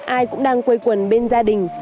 ai cũng đang quây quần bên gia đình